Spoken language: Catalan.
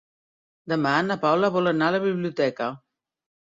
Demà na Paula vol anar a la biblioteca.